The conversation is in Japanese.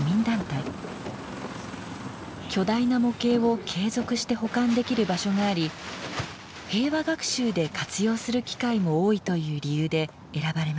巨大な模型を継続して保管できる場所があり平和学習で活用する機会も多いという理由で選ばれました。